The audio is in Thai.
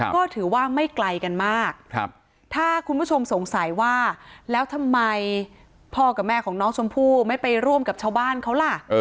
ก็ถือว่าไม่ไกลกันมากถ้าคุณผู้ชมสงสัยว่าแล้วทำไมพ่อกับแม่ของน้องชมพู่ไม่ไปร่วมกับชาวบ้านเขาล่ะ